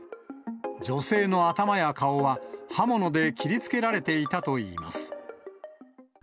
女性の頭や顔は、刃物で切りつけられていたといいます。